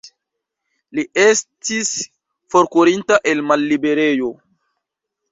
Li estis forkurinta el malliberejo.